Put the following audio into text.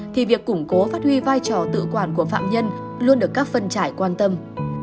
thì việc củng cố phát huy vai trò tự quản của phạm nhân luôn được các phân trải quan tâm